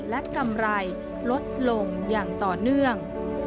และกำไรลดลงอย่างต่อเนื่อง